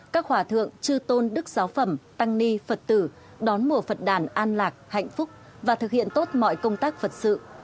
các hỏa thượng trư tôn đức giáo phẩm tăng ni phật tử đón mùa phật đản an lạc hạnh phúc và thực hiện tốt mọi công tác phật sự